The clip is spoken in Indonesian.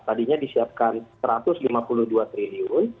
tadinya disiapkan rp satu ratus lima puluh dua triliun